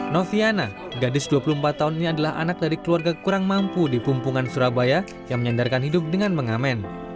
noviana gadis dua puluh empat tahun ini adalah anak dari keluarga kurang mampu di pumpungan surabaya yang menyandarkan hidup dengan mengamen